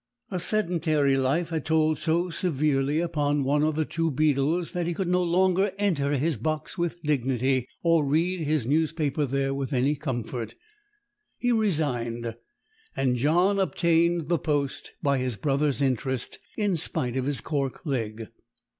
A sedentary life had told so severely upon one of the two beadles that he could no longer enter his box with dignity or read his newspaper there with any comfort. He resigned, and John obtained the post by his brothers' interest, in spite of his cork leg.